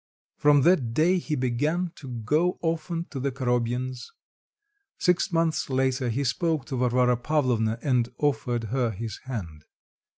From that day he began to go often to the Korobyins. Six months later he spoke to Varvara Pavlovna, and offered her his hand.